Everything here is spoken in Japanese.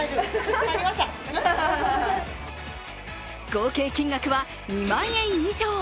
合計金額は２万円以上。